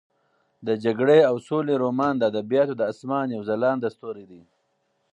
د جګړې او سولې رومان د ادبیاتو د اسمان یو ځلانده ستوری دی.